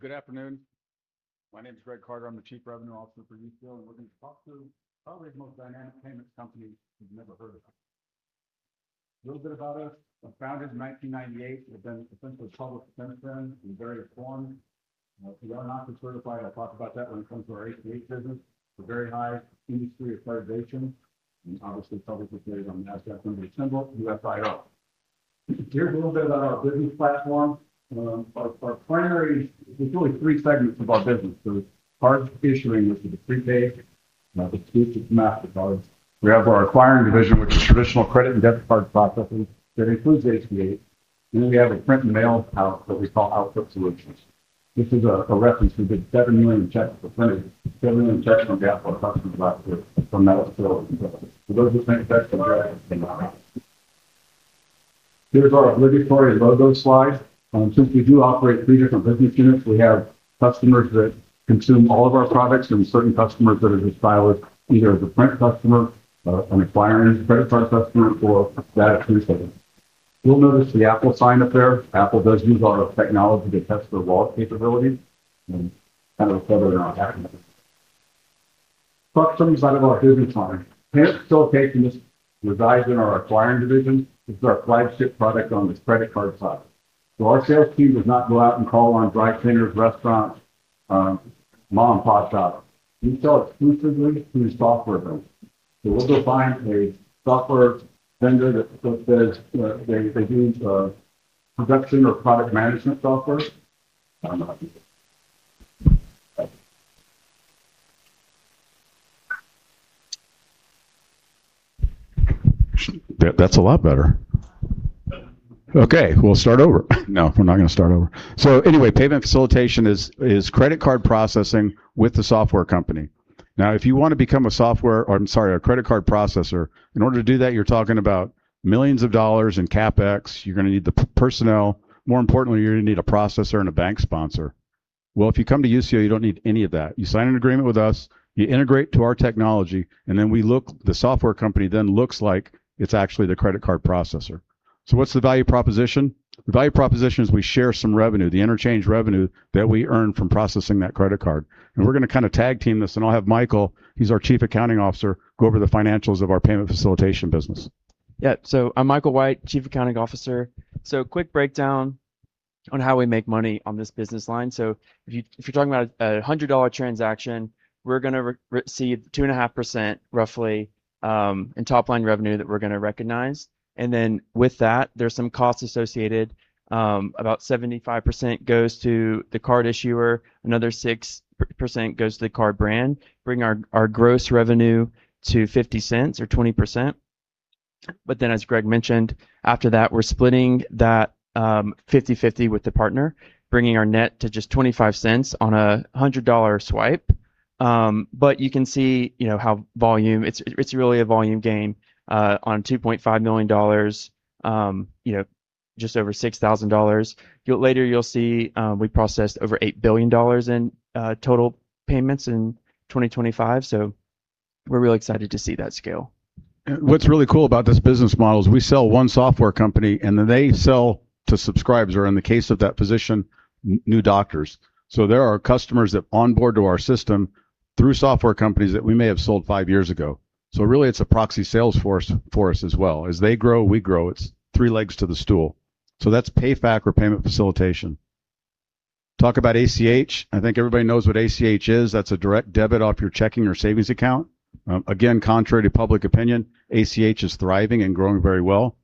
Well, good afternoon. My name's Greg Carter. I'm the Chief Revenue Officer for Usio, and we're going to talk to probably the most dynamic payments company you've never heard of. Little bit about us. Was founded in 1998. We've been essentially a public benefit then in various forms. We are Nacha Certified. I'll talk about that when it comes to our ACH business. We're very high industry accreditation, and obviously publicly traded on the NASDAQ under the symbol USIO. Here's a little bit about our business platform. There's really three segments of our business. Card issuing, which is a prepaid, which includes Mastercard. We have our acquiring division, which is traditional credit and debit card processing. That includes ACH. Then we have a print and mail house that we call Usio Output Solutions. This is a reference. We did 7 million checks for printing, 7 million checks from Gap Inc customers last year from that facility. Those are the same effects. Here's our obligatory logo slide. Since we do operate three different business units, we have customers that consume all of our products, and certain customers that are just siloed, either as a print customer, an acquiring credit card customer, or that solution. You'll notice the Apple sign up there. Apple does use all of our technology to test their wallet capabilities, and I'll cover that in our customers out of our business line. Payment facilitation resides in our acquiring division. This is our flagship product on the credit card side. Our sales team does not go out and call on dry cleaners, restaurants, mom-and-pop shops. We sell exclusively through software vendors. We'll go find a software vendor that says they use a production or product management software. That's a lot better. Okay, we'll start over. No, we're not going to start over. Anyway, payment facilitation is credit card processing with the software company. Now, if you want to become a credit card processor, in order to do that, you're talking about millions of dollars in CapEx. You're going to need the personnel. More importantly, you're going to need a processor and a bank sponsor. If you come to Usio, you don't need any of that. You sign an agreement with us, you integrate to our technology, and then the software company then looks like it's actually the credit card processor. What's the value proposition? The value proposition is we share some revenue, the interchange revenue that we earn from processing that credit card. We're going to tag team this, I'll have Michael, he's our Chief Accounting Officer, go over the financials of our payment facilitation business. I'm Michael White, Chief Accounting Officer. Quick breakdown on how we make money on this business line. If you're talking about a $100 transaction, we're going to receive 2.5%, roughly, in top-line revenue that we're going to recognize. With that, there's some costs associated. About 75% goes to the card issuer, another 6% goes to the card brand, bring our gross revenue to $0.50 or 20%. As Greg mentioned, after that, we're splitting that 50/50 with the partner, bringing our net to just $0.25 on a $100 swipe. You can see how it's really a volume game. On $2.5 million, just over $6,000. Later you'll see we processed over $8 billion in total payments in 2025, we're real excited to see that scale. What's really cool about this business model is we sell one software company, then they sell to subscribers, or in the case of that physician, new doctors. There are customers that onboard to our system through software companies that we may have sold five years ago. Really it's a proxy sales force for us as well. As they grow, we grow. It's three legs to the stool. That's PayFac or payment facilitation. Talk about ACH. I think everybody knows what ACH is. That's a direct debit off your checking or savings account. Again, contrary to public opinion, ACH is thriving and growing very well.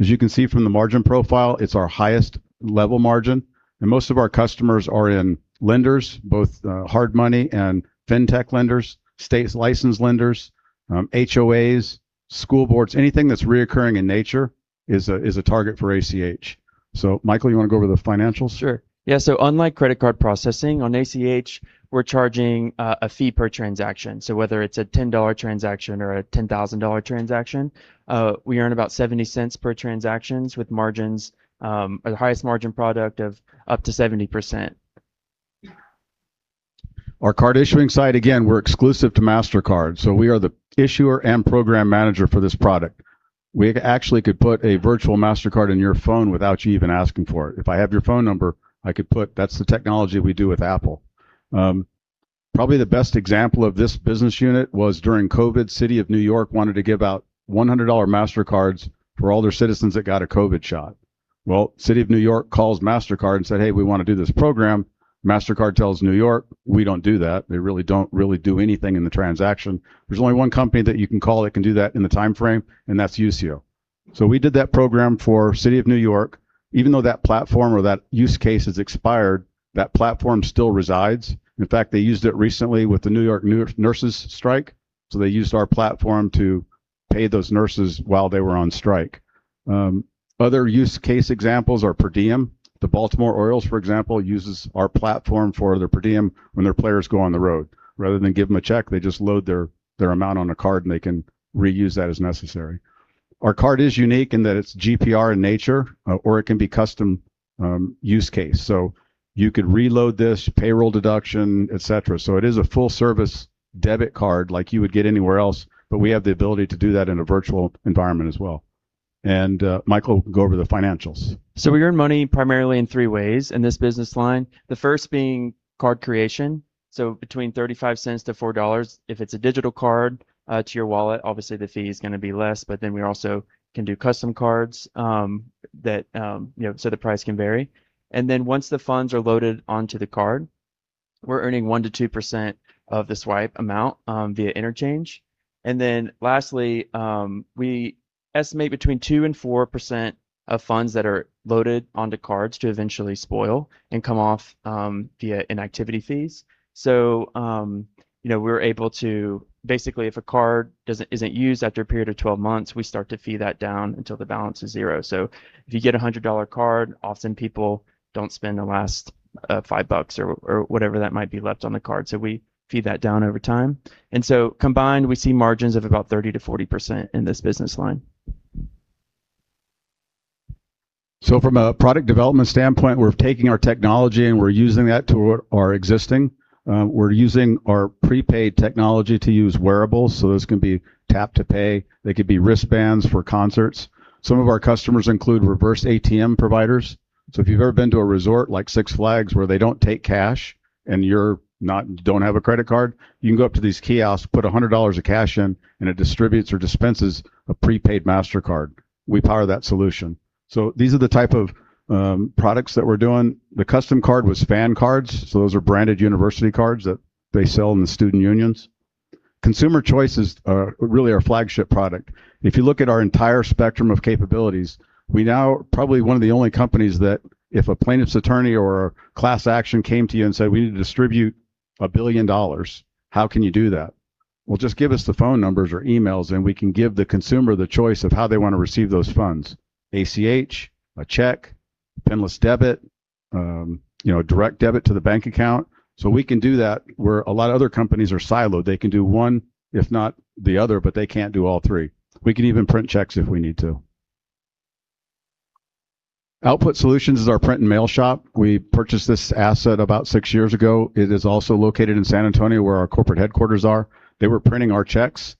As you can see from the margin profile, it's our highest level margin, most of our customers are in lenders, both hard money and fintech lenders, state-licensed lenders, HOAs, school boards. Anything that's recurring in nature is a target for ACH. Michael, you want to go over the financials? Sure. Yeah, unlike credit card processing, on ACH, we're charging a fee per transaction. Whether it's a $10 transaction or a $10,000 transaction, we earn about $0.70 per transactions with margins, or the highest margin product of up to 70%. Our card issuing side, again, we're exclusive to Mastercard, we are the issuer and program manager for this product. We actually could put a virtual Mastercard in your phone without you even asking for it. If I have your phone number, I could put That's the technology we do with Apple. Probably the best example of this business unit was during COVID, City of New York wanted to give out $100 Mastercards for all their citizens that got a COVID shot. City of New York calls Mastercard and said, "Hey, we want to do this program." Mastercard tells New York, "We don't do that." They really don't do anything in the transaction. There's only one company that you can call that can do that in the timeframe, and that's Usio. We did that program for City of New York. Even though that platform or that use case has expired, that platform still resides. In fact, they used it recently with the New York nurses' strike, they used our platform to pay those nurses while they were on strike. Other use case examples are per diem. The Baltimore Orioles, for example, uses our platform for their per diem when their players go on the road. Rather than give them a check, they just load their amount on a card, and they can reuse that as necessary. Our card is unique in that it's GPR in nature, or it can be custom use case. You could reload this, payroll deduction, et cetera. It is a full-service debit card like you would get anywhere else, but we have the ability to do that in a virtual environment as well. Michael will go over the financials. We earn money primarily in three ways in this business line. The first being card creation, between $0.35-$4. If it's a digital card to your wallet, obviously the fee is going to be less. We also can do custom cards the price can vary. Once the funds are loaded onto the card, we're earning 1%-2% of the swipe amount via interchange. Lastly, we estimate between 2%-4% of funds that are loaded onto cards to eventually spoil and come off via inactivity fees. Basically, if a card isn't used after a period of 12 months, we start to fee that down until the balance is zero. If you get a $100 card, often people don't spend the last five bucks or whatever that might be left on the card. We fee that down over time. Combined, we see margins of about 30%-40% in this business line. From a product development standpoint, we're taking our technology and we're using that to our existing. We're using our prepaid technology to use wearables. Those can be tap-to-pay. They could be wristbands for concerts. Some of our customers include reverse ATM providers. If you've ever been to a resort like Six Flags where they don't take cash and you don't have a credit card, you can go up to these kiosks, put $100 of cash in, and it distributes or dispenses a prepaid Mastercard. We power that solution. These are the type of products that we're doing. The custom card was fan cards. Those are branded university cards that they sell in the student unions. Consumer Choice is really our flagship product. If you look at our entire spectrum of capabilities, we now probably one of the only companies that if a plaintiff's attorney or a class action came to you and said, "We need to distribute $1 billion," how can you do that? Just give us the phone numbers or emails, and we can give the consumer the choice of how they want to receive those funds, ACH, a check, pinless debit, direct debit to the bank account. We can do that, where a lot of other companies are siloed. They can do one, if not the other, but they can't do all three. We can even print checks if we need to. Output Solutions is our print and mail shop. We purchased this asset about six years ago. It is also located in San Antonio, where our corporate headquarters are. They were printing our checks.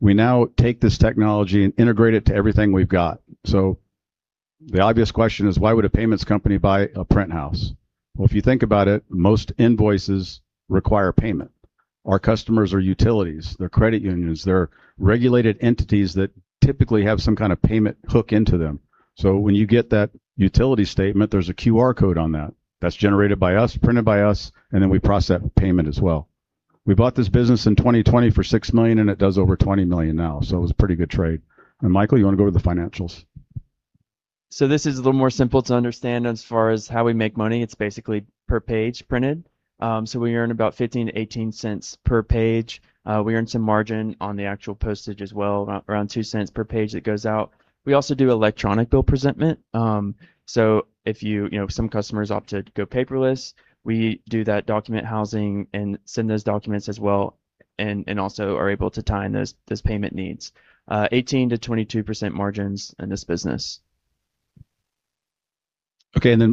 We now take this technology and integrate it to everything we've got. The obvious question is, why would a payments company buy a print house? If you think about it, most invoices require payment. Our customers are utilities, they're credit unions, they're regulated entities that typically have some kind of payment hook into them. When you get that utility statement, there's a QR code on that. That's generated by us, printed by us, and then we process that payment as well. We bought this business in 2020 for $6 million, and it does over $20 million now, it was a pretty good trade. Michael, you want to go over the financials? This is a little more simple to understand as far as how we make money. It is basically per page printed. We earn about $0.15-$0.18 per page. We earn some margin on the actual postage as well, around $0.02 per page that goes out. We also do electronic bill presentment. Some customers opt to go paperless. We do that document housing and send those documents as well, and also are able to tie in those payment needs. 18%-22% margins in this business.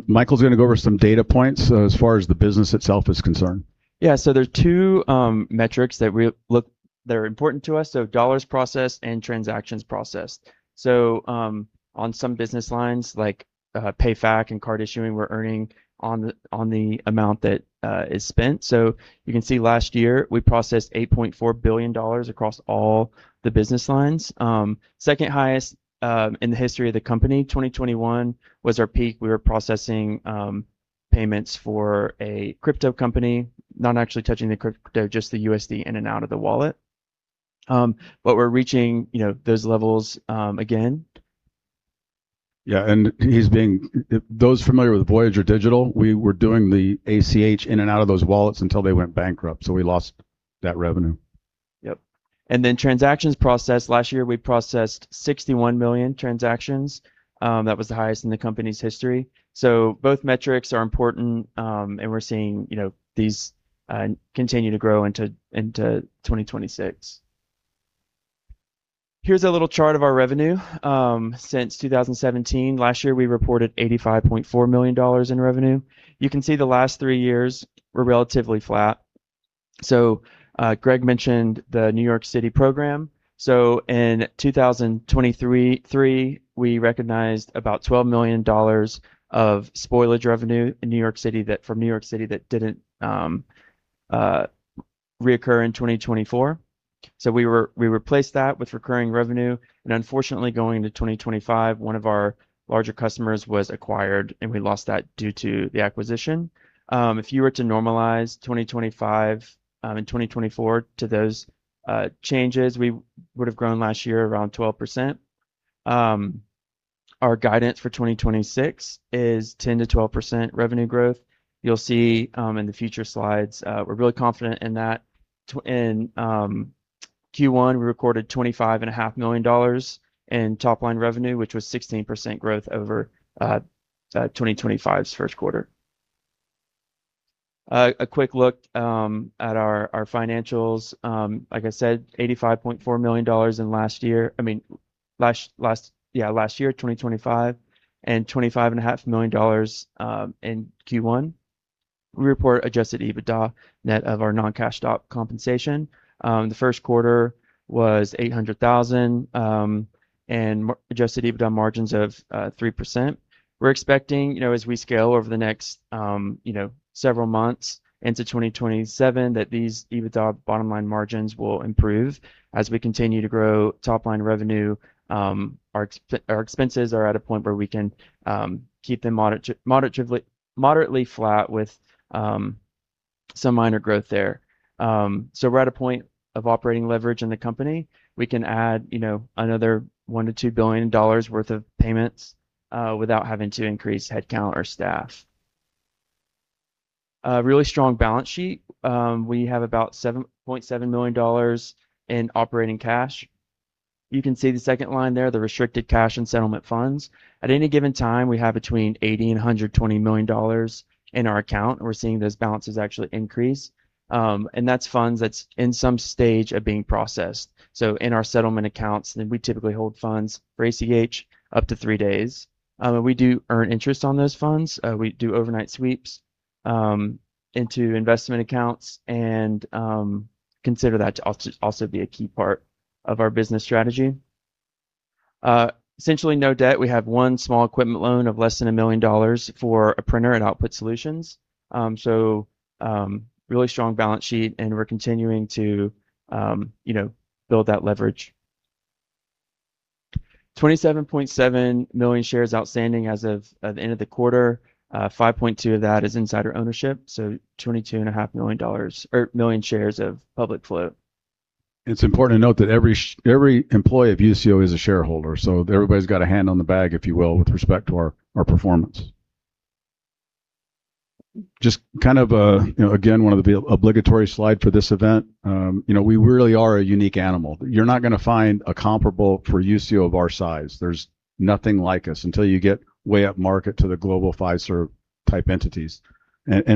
Michael's going to go over some data points as far as the business itself is concerned. There are two metrics that are important to us. Dollars processed and transactions processed. On some business lines like PayFac and card issuing, we are earning on the amount that is spent. You can see last year, we processed $8.4 billion across all the business lines. Second highest in the history of the company. 2021 was our peak. We were processing payments for a crypto company, not actually touching the crypto, just the USD in and out of the wallet. We are reaching those levels again. Those familiar with Voyager Digital, we were doing the ACH in and out of those wallets until they went bankrupt, we lost that revenue. Yep. Transactions processed. Last year, we processed 61 million transactions. That was the highest in the company's history. Both metrics are important. We're seeing these continue to grow into 2026. Here's a little chart of our revenue since 2017. Last year, we reported $85.4 million in revenue. You can see the last three years were relatively flat. Greg mentioned the New York City program. In 2023, we recognized about $12 million of spoilage revenue from New York City that didn't reoccur in 2024. Unfortunately, going into 2025, one of our larger customers was acquired, and we lost that due to the acquisition. If you were to normalize 2025 and 2024 to those changes, we would've grown last year around 12%. Our guidance for 2026 is 10%-12% revenue growth. You'll see in the future slides, we're really confident in that. In Q1, we recorded $25.5 million in top-line revenue, which was 16% growth over 2025's first quarter. A quick look at our financials. Like I said, $85.4 million in last year. I mean, last year, 2025, and $25.5 million in Q1. We report adjusted EBITDA net of our non-cash stock compensation. The first quarter was $800,000, and adjusted EBITDA margins of 3%. We're expecting, as we scale over the next several months into 2027, that these EBITDA bottom line margins will improve as we continue to grow top-line revenue. Our expenses are at a point where we can keep them moderately flat with some minor growth there. We're at a point of operating leverage in the company. We can add another $1 billion-$2 billion worth of payments without having to increase headcount or staff. A really strong balance sheet. We have about $7.7 million in operating cash. You can see the second line there, the restricted cash and settlement funds. At any given time, we have between $80 million and $120 million in our account, and we're seeing those balances actually increase. That's funds that's in some stage of being processed. In our settlement accounts, we typically hold funds for ACH up to three days. We do earn interest on those funds. We do overnight sweeps into investment accounts and consider that to also be a key part of our business strategy. Essentially no debt. We have one small equipment loan of less than $1 million for a printer at Output Solutions. Really strong balance sheet, and we're continuing to build that leverage. 27.7 million shares outstanding as of the end of the quarter. 5.2 million of that is insider ownership, 22.5 million or million shares of public float. It's important to note that every employee of Usio is a shareholder, everybody's got a hand on the bag, if you will, with respect to our performance. Just, again, one of the obligatory slide for this event. We really are a unique animal. You're not going to find a comparable for Usio of our size. There's nothing like us until you get way up market to the global Fiserv type entities.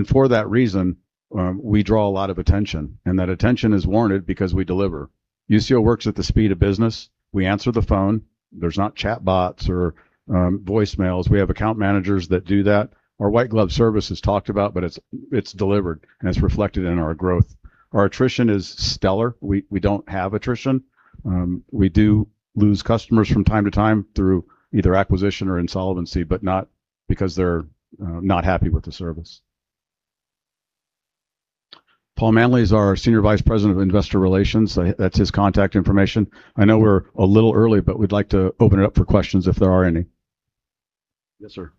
For that reason, we draw a lot of attention, and that attention is warranted because we deliver. Usio works at the speed of business. We answer the phone. There's not chatbots or voicemails. We have account managers that do that. Our white glove service is talked about, but it's delivered, and it's reflected in our growth. Our attrition is stellar. We don't have attrition. We do lose customers from time to time through either acquisition or insolvency, not because they're not happy with the service. Paul Manley is our Senior Vice President of Investor Relations. That's his contact information. I know we're a little early, we'd like to open it up for questions if there are any. Yes, sir.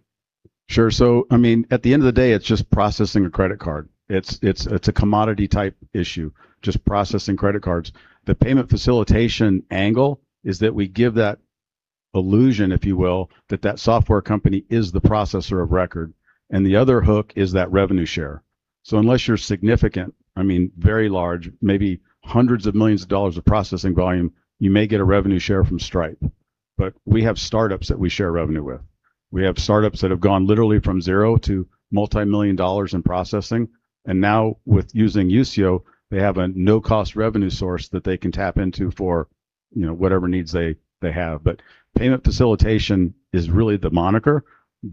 Sure. At the end of the day, it's just processing a credit card. It's a commodity type issue, just processing credit cards. The payment facilitation angle is that we give that illusion, if you will, that that software company is the processor of record, and the other hook is that revenue share. Unless you're significant, very large, maybe hundreds of millions of dollars of processing volume, you may get a revenue share from Stripe. We have startups that we share revenue with. We have startups that have gone literally from zero to multimillion dollars in processing. Now with using Usio, they have a no-cost revenue source that they can tap into for whatever needs they have. Payment facilitation is really the moniker,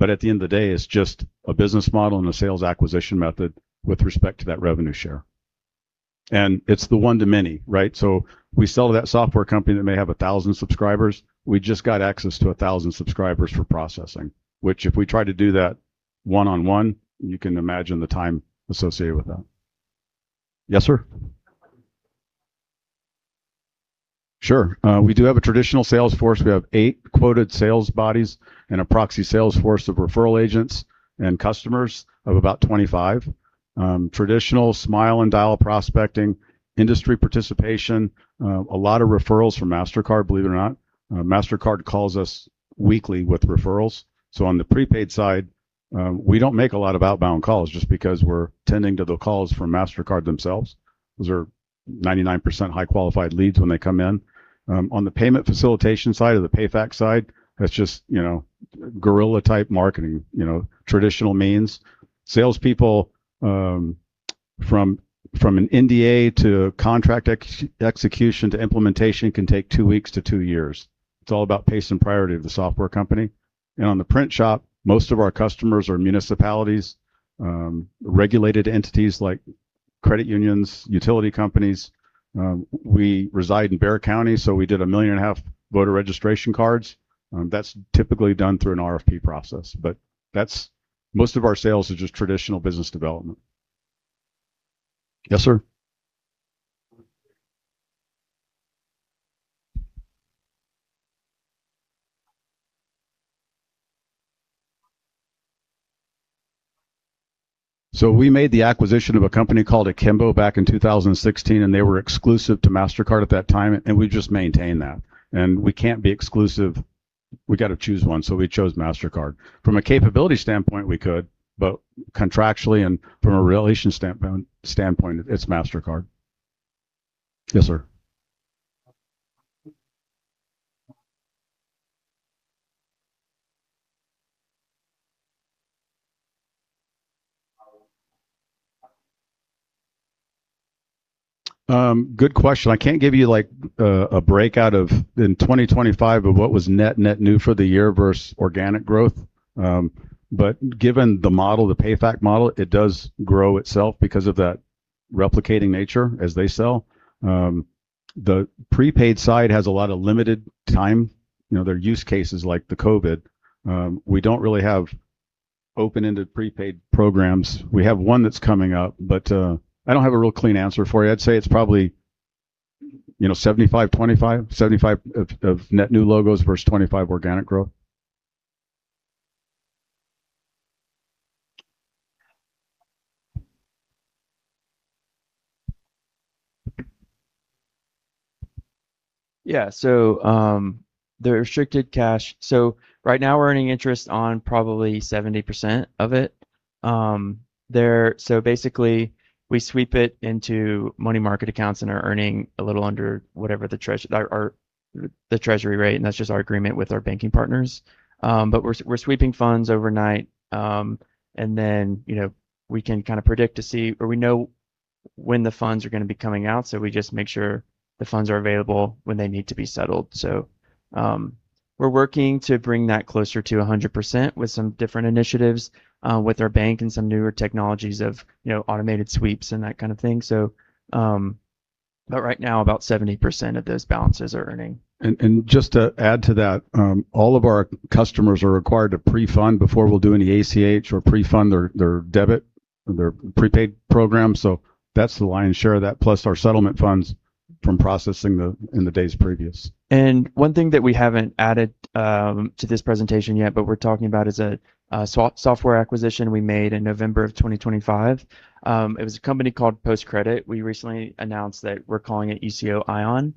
at the end of the day, it's just a business model and a sales acquisition method with respect to that revenue share. It's the one to many, right? We sell to that software company that may have 1,000 subscribers. We just got access to 1,000 subscribers for processing, which if we try to do that one-on-one, you can imagine the time associated with that. Yes, sir. Sure. We do have a traditional sales force. We have eight quoted sales bodies and a proxy sales force of referral agents and customers of about 25. Traditional smile and dial prospecting, industry participation, a lot of referrals from Mastercard, believe it or not. Mastercard calls us weekly with referrals. On the prepaid side, we don't make a lot of outbound calls just because we're tending to the calls from Mastercard themselves. Those are 99% high qualified leads when they come in. On the payment facilitation side or the PayFac side, that's just guerilla type marketing, traditional means. Salespeople from an NDA to contract execution to implementation can take two weeks to two years. It's all about pace and priority of the software company. On the print shop, most of our customers are municipalities, regulated entities like credit unions, utility companies. We reside in Bexar County, we did a 1.5 million voter registration cards. That's typically done through an RFP process. Most of our sales are just traditional business development. Yes, sir. We made the acquisition of a company called Akimbo back in 2016, and they were exclusive to Mastercard at that time. We just maintained that. We can't be exclusive. We got to choose one. We chose Mastercard. From a capability standpoint, we could, but contractually and from a relation standpoint, it's Mastercard. Yes, sir. Good question. I can't give you a breakout of in 2025 of what was net new for the year versus organic growth. Given the PayFac model, it does grow itself because of that replicating nature as they sell. The prepaid side has a lot of limited time. There are use cases like the COVID. We don't really have open-ended prepaid programs. We have one that's coming up, but I don't have a real clean answer for you. I'd say it's probably 75, 25. 75 of net new logos versus 25 organic growth. Yeah. The restricted cash. Right now we're earning interest on probably 70% of it. Basically, we sweep it into money market accounts and are earning a little under whatever the Treasury rate. That's just our agreement with our banking partners. We're sweeping funds overnight. We can predict to see, or we know when the funds are going to be coming out. We just make sure the funds are available when they need to be settled. We're working to bring that closer to 100% with some different initiatives with our bank and some newer technologies of automated sweeps and that kind of thing. Right now, about 70% of those balances are earning. Just to add to that, all of our customers are required to pre-fund before we'll do any ACH or pre-fund their debit, their prepaid program. That's the lion's share of that, plus our settlement funds from processing in the days previous. One thing that we haven't added to this presentation yet, but we're talking about, is a software acquisition we made in November 2025. It was a company called PostCredit. We recently announced that we're calling it Usio One.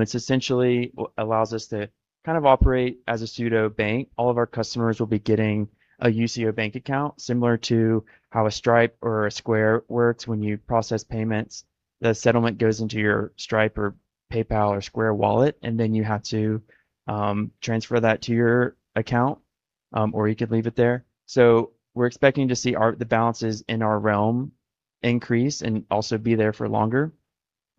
It essentially allows us to operate as a pseudo bank. All of our customers will be getting a Usio bank account, similar to how a Stripe or a Square works when you process payments. The settlement goes into your Stripe or PayPal or Square wallet, then you have to transfer that to your account, or you could leave it there. We're expecting to see the balances in our realm increase and also be there for longer.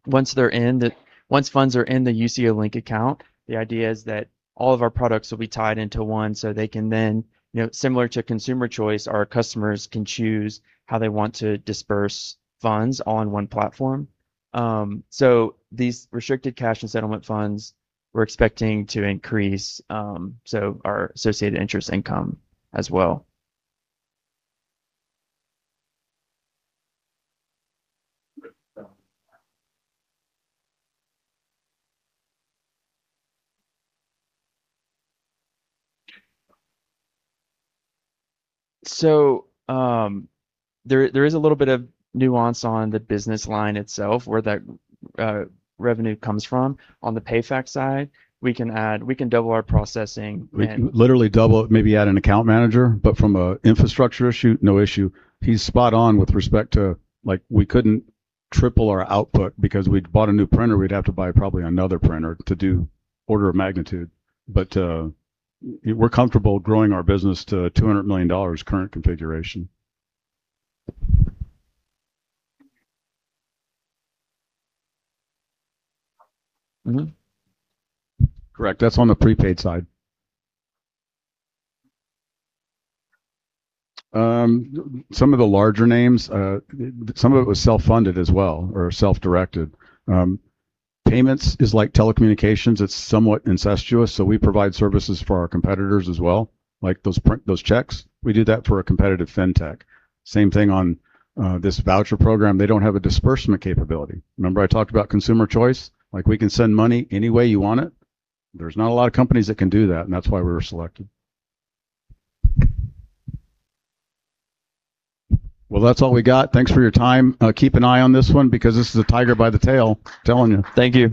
Once funds are in the Usio link account, the idea is that all of our products will be tied into one, so they can then, similar to Consumer Choice, our customers can choose how they want to disperse funds all on one platform. These restricted cash and settlement funds, we're expecting to increase, so our associated interest income as well. There is a little bit of nuance on the business line itself, where that revenue comes from. On the PayFac side, we can double our processing. We can literally double it, maybe add an account manager, but from an infrastructure issue, no issue. He's spot on with respect to we couldn't triple our output because we'd bought a new printer, we'd have to buy probably another printer to do order of magnitude. We're comfortable growing our business to $200 million current configuration. Correct. That's on the prepaid side. Some of the larger names, some of it was self-funded as well, or self-directed. Payments is like telecommunications. It's somewhat incestuous, so we provide services for our competitors as well, like those checks. We did that for a competitive fintech. Same thing on this voucher program. They don't have a disbursement capability. Remember I talked about Consumer Choice? We can send money any way you want it. There's not a lot of companies that can do that, and that's why we were selected. Well, that's all we got. Thanks for your time. Keep an eye on this one because this is a tiger by the tail, telling you. Thank you.